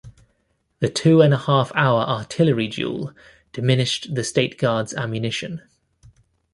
The two and a half hour artillery duel diminished the State Guard's ammunition.